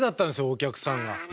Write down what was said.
お客さんが。